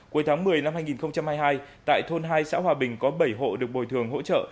cuối tháng một mươi năm hai nghìn hai mươi hai tại thôn hai xã hòa bình có bảy hộ được bồi thường hỗ trợ